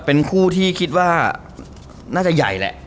เป็นคู่ที่คิดว่าน่าจะใหญ่แหละ